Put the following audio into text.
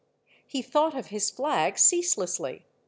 He thought of his flag ceaselessly.